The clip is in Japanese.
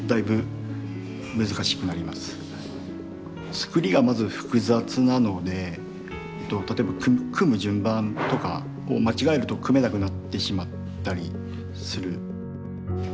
つくりがまず複雑なので例えば組む順番とかを間違えると組めなくなってしまったりする。